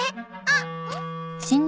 あっ！